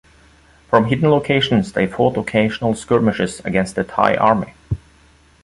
From hidden locations they fought occasional skirmishes against the Thai Army.